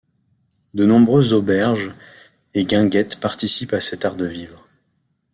De nombreuses auberges et guinguettes participent à cet art de vivre.